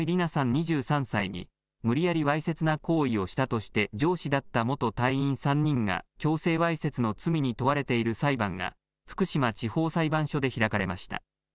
２３歳に、無理やりわいせつな行為をしたとして、上司だった元隊員３人が強制わいせつの罪に問われている裁判が、福島地方裁判所で開かれました。